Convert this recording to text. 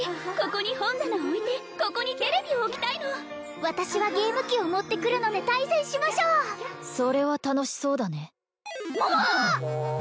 ここに本棚を置いてここにテレビを置きたいの私はゲーム機を持ってくるので対戦しましょうそれは楽しそうだね桃！